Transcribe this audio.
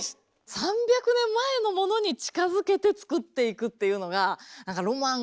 ３００年前のものに近づけて作っていくっていうのがうん。